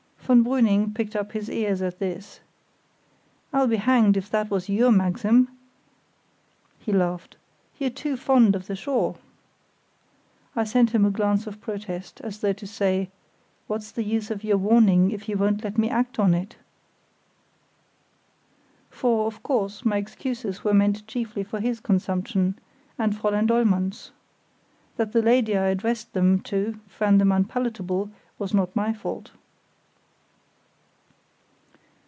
Von Brüning pricked up his ears at this. "I'll be hanged if that was your maxim," he laughed; "you're too fond of the shore!" I sent him a glance of protest, as though to say: "What's the use of your warning if you won't let me act on it?" For, of course, my excuses were meant chiefly for his consumption, and Fräulein Dollmann's. That the lady I addressed them to found them unpalatable was not my fault.